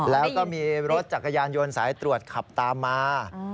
แล้วก็มีรถจักรยานยนต์สายตรวจขับตามมา